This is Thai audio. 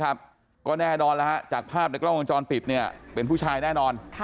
ครับก็แน่นอนจากภาพในกล้องกองจรปิดเป็นผู้ชายแน่นอนค่ะ